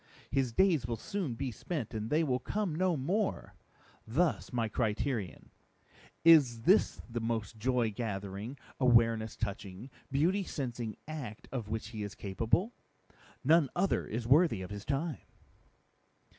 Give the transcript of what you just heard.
His Days will soon be spent and they will come no more; thus my Criterion: Is This the most Joy gathering, Awareness touching, Beauty sensing act of which he is capable? None other is worthy of his time!"